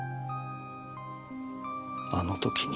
あの時に。